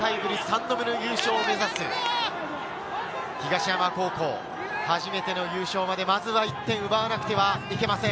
ぶり３度目の優勝を目指す東山高校、初めての優勝まで、まずは１点を奪わなくてはいけません。